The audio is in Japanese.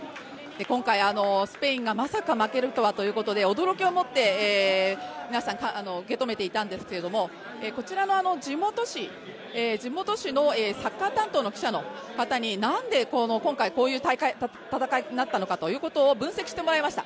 今回、スペインがまさか負けるとはということで驚きを持って皆さん受け止めていたんですけれども、こちらの地元紙のサッカー担当の記者の方になんで今回、こういう戦いになったのか分析してもらいました。